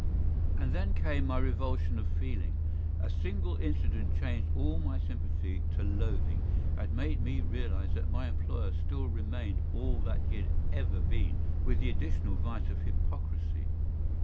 And then came my revulsion of feeling. A single incident changed all my sympathy to loathing, and made me realize that my employer still remained all that he had ever been, with the additional vice of hypocrisy.